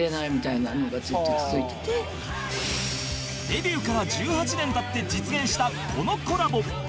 デビューから１８年経って実現したこのコラボ